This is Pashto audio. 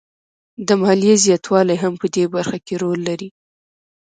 د ماليې زیاتوالی هم په دې برخه کې رول لري